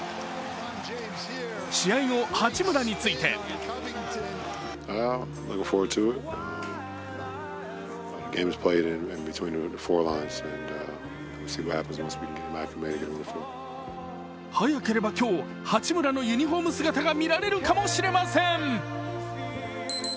試合後、八村について早ければ今日、八村のユニフォーム姿が見られるかもしれません。